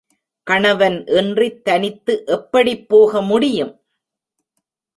கணவன் இன்றித் தனித்து எப்படிப் போக முடியும்?